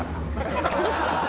ハハハハ！